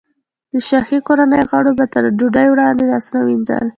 د شاهي کورنۍ غړیو به تر ډوډۍ وړاندې لاسونه وینځل.